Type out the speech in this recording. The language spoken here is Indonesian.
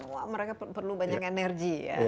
wah mereka perlu banyak energi ya